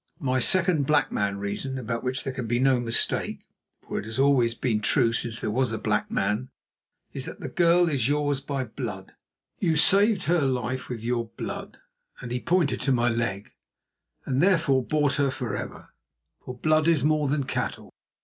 My second black man reason, about which there can be no mistake, for it has always been true since there was a black man, is that the girl is yours by blood. You saved her life with your blood," and he pointed to my leg, "and therefore bought her for ever, for blood is more than cattle.